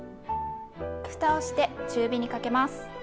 ふたをして中火にかけます。